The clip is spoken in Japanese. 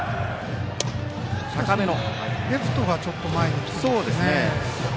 レフトがちょっと前にきてますね。